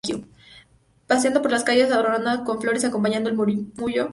Paseando por sus calles, adornadas con flores, acompaña el murmullo del agua corriente.